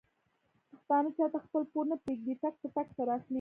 پښتانه چاته خپل پور نه پرېږدي ټک په ټک سره اخلي.